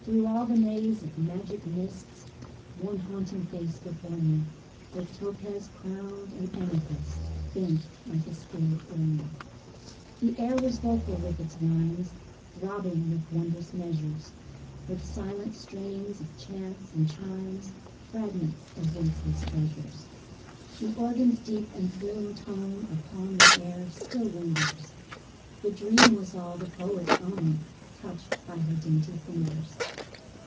Through all the maze of magic mists One haunting face before me, With topaz crowned, and amethysts. Bent, like a spirit, o'er me. The air was vocal with its rhymes, Throbbing with wondrous measures. With silent strains of chants and chimes. Fragments of voiceless treasures. 112 A MEMORY. The organ's deep and thrilling tone Upon the air still lingers, The dream was all the poet's own, Touched by her dainty fingers.